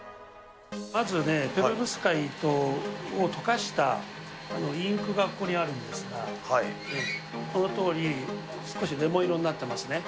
まずね、ペロブスカイトを溶かしたインクがここにあるんですが、このとおり、少しレモン色になってますね。